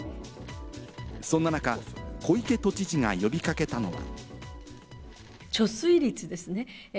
そんな中、小池都知事が呼び掛けたのが。